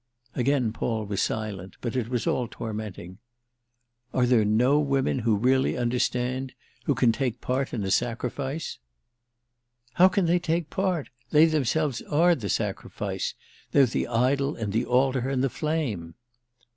Again Paul was silent, but it was all tormenting. "Are there no women who really understand—who can take part in a sacrifice?" "How can they take part? They themselves are the sacrifice. They're the idol and the altar and the flame."